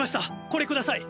これください。